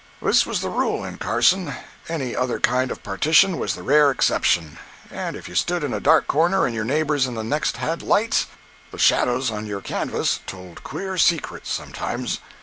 This was the rule in Carson—any other kind of partition was the rare exception. And if you stood in a dark room and your neighbors in the next had lights, the shadows on your canvas told queer secrets sometimes!